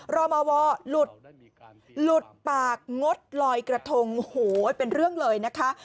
รมวหลุดหลุดปากงดลอยกระทงโอ้โหเป็นเรื่องเลยนะคะ